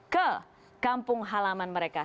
ke kampung halaman mereka